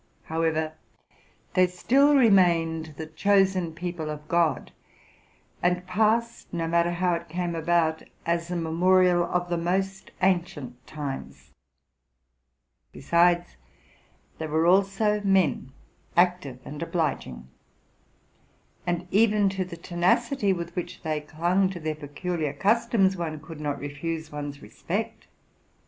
However, they still re emained the chosen people of God, and passed, no matter how it came about, as a memorial of the most ancient times. Besides, they also were men, active and obliging ; and, even to the tenacity with which they clung to their peculiar customs, one could not refuse one's respect.